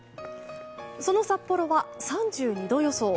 その札幌は３２度予想。